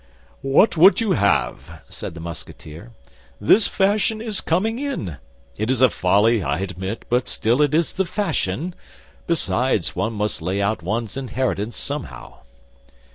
"What would you have?" said the Musketeer. "This fashion is coming in. It is a folly, I admit, but still it is the fashion. Besides, one must lay out one's inheritance somehow."